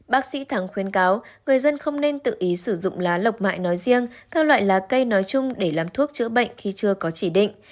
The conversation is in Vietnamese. bác sĩ thắng khuyên cáo người dân không nên tự ý sử dụng lá lọc mại nói riêng các loại lá cây nói chung để làm thuốc chữa bệnh khi chưa có chỉ định